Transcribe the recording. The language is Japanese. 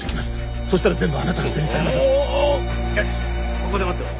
ここで待ってろ。